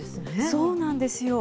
そうなんですよ。